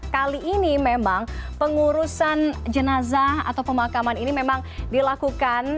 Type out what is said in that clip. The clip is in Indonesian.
kali ini memang pengurusan jenazah atau pemakaman ini memang dilakukan